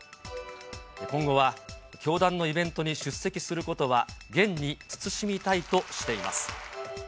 今後は教団のイベントに出席することは、厳に慎みたいとしています。